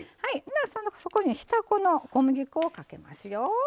そこに小麦粉をかけますよ。